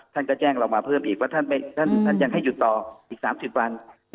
ท่านก็แจ้งเรามาเพิ่มอีกว่าท่านยังให้หยุดต่ออีก๓๐วัน